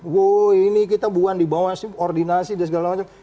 woy ini kita buang di bawah subordinasi dan segala macam